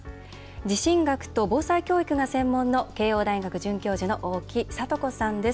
地震学と防災教育が専門の慶應大学准教授の大木聖子さんです。